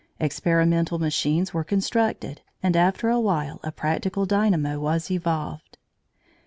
Experimental machines were constructed, and after a while a practical dynamo was evolved.